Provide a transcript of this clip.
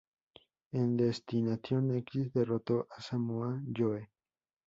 En "Destination X" derrotó a Samoa Joe.